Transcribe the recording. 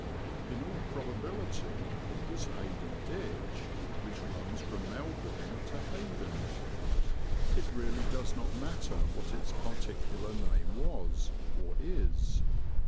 In all probability it was Haydon Ditch, which runs from Melbourn to Haydon. It really does not matter what its particular name was, or is.